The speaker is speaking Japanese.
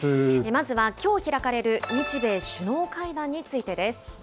まずは、きょう開かれる日米首脳会談についてです。